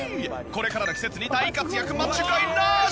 これからの季節に大活躍間違いなーし！